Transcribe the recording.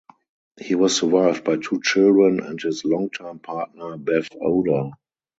He was survived by two children and his longtime partner Bev Oda.